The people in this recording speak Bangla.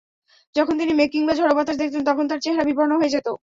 যখন তিনি মেঘ কিংবা ঝড়ো বাতাস দেখতেন, তখন তার চেহারা বিবর্ণ হয়ে যেত।